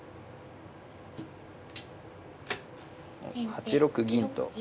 ８六銀と。